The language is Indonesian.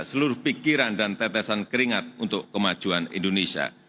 seluruh pikiran dan tetesan keringat untuk kemajuan indonesia